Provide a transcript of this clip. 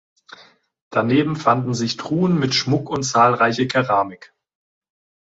Daneben fanden sich Truhen mit Schmuck und zahlreiche Keramik.